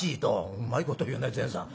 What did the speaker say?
「うまいこと言うね善さん。